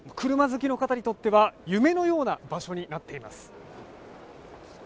車好きの方にとっては夢のような場所になっています。